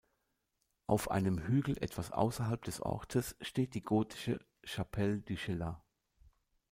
Auf einem Hügel etwas außerhalb des Ortes steht die gotische "Chapelle du Cheylard".